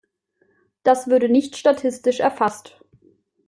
Das würde nicht statistisch erfasst.